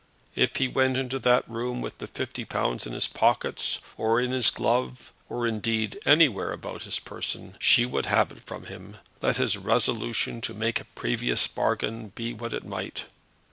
If he went into that room with the fifty pounds in his pockets, or in his glove, or, indeed, anywhere about his person, she would have it from him, let his own resolution to make a previous bargain be what it might.